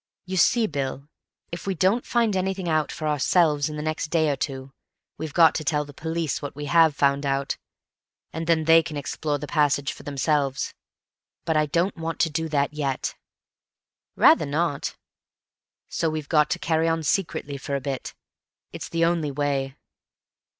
You see, Bill, if we don't find anything out for ourselves in the next day or two, we've got to tell the police what we have found out, and then they can explore the passage for themselves. But I don't want to do that yet." "Rather not." "So we've got to carry on secretly for a bit. It's the only way."